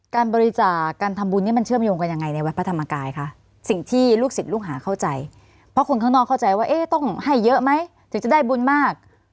การบริจาคการทำบุญนี้มันเชื่อมโยงกันยังไงในวัดพระธรรมกายคะสิ่งที่ลูกศิษย์ลูกหาเข้าใจเพราะคนข้างนอกเข้าใจว่าเอ๊ะต้องให้เยอะไหมถึงจะได้บุญมาก